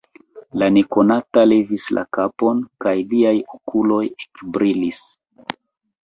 La nekonato levis la kapon, kaj liaj okuloj ekbrilis.